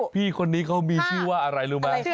พี่คนนี้เขามีชื่อว่าอะไรรู้ไหม